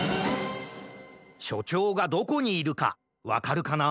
しょちょうがどこにいるかわかるかな？